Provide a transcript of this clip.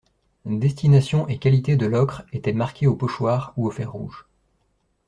Destination et qualité de l'ocre était marquées au pochoir ou au fer rouge.